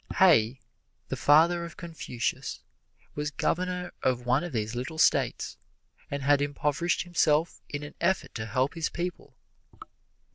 Heih, the father of Confucius, was governor of one of these little States, and had impoverished himself in an effort to help his people.